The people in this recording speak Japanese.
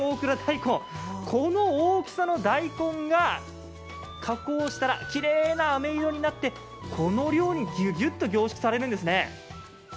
この大きさの大根が加工したらきれいなあめ色になってこの量にぎゅぎゅっと凝縮されるんですね。